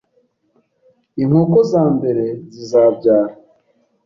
inkoko za mbere zizabyara